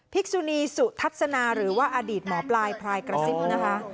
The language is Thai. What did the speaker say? กษุนีสุทัศนาหรือว่าอดีตหมอปลายพลายกระซิบนะคะ